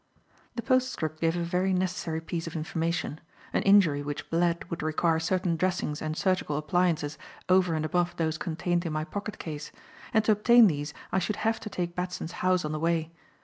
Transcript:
The postscript gave a very necessary piece of information. An injury which bled would require certain dressings and surgical appliances over and above those contained in my pocket case; and to obtain these I should have to take Batson's house on the way.